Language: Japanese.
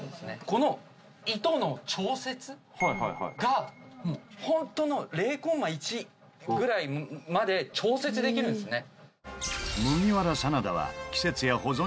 この糸の調節がホントの０コンマ１ぐらいまで調節できるんですね。